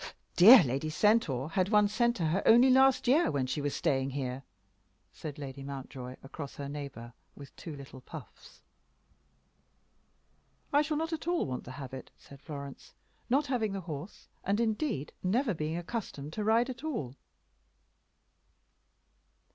"Dear Lady Centaur had one sent to her only last year, when she was staying here," said Lady Mountjoy across her neighbor, with two little puffs. "I shall not at all want the habit," said Florence, "not having the horse, and indeed, never being accustomed to ride at all."